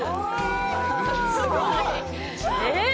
すごいえっ？